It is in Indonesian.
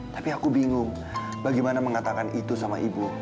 tapi aku bingung bagaimana mengatakan itu sama ibu